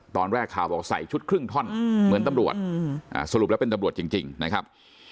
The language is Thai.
ตอนแรกข่าวบอกใส่ชุดครึ่งท่อนเหมือนตำรวจสรุปแล้วเป็นตำรวจจริงนะครับ